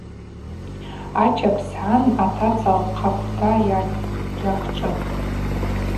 Ача пссгӏан атаца лхъаквта йаквчӏватӏ.